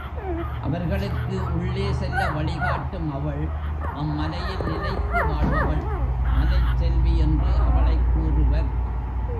அவர்களுக்கு உள்ளே செல்ல வழி காட்டும் அவள் அம்மலையில் நிலைத்து வாழ்பவள் மலைச் செல்வி என்று அவளைக் கூறுவர்.